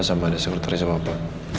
sama ada sekurterisa papa